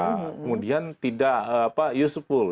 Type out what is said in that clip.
kemudian tidak useful